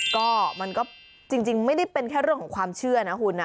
ก็มันก็จริงไม่ได้เป็นแค่เรื่องของความเชื่อนะคุณนะ